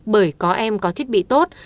bởi có em có thiết bị tốt